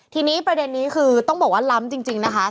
ทีนี้ประเด็นนี้คือต้องบอกว่าล้ำจริงนะคะ